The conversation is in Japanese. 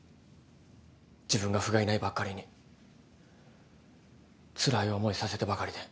自分がふがいないばっかりにつらい思いさせてばかりで。